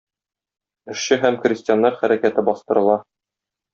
Эшче һәм крестьяннар хәрәкәте бастырыла.